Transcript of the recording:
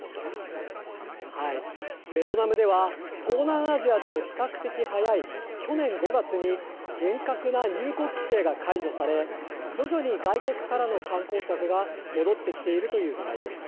ベトナムでは、東南アジアでも比較的早い去年５月に、厳格な入国規制が解除され、徐々に外国からの観光客が戻ってきているという具合です。